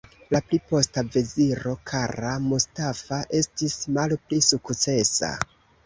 La pli posta veziro "Kara Mustafa" estis malpli sukcesa.